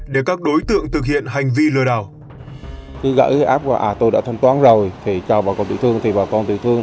để các đối tượng thực hiện hành vi lừa đảo